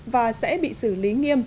và sẽ bị xử lý nghiêm